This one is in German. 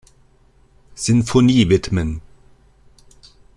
Sinfonie widmen.